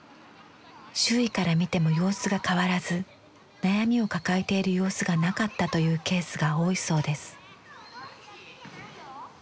周囲から見ても様子が変わらず悩みを抱えている様子がなかったというケースが多いそうです。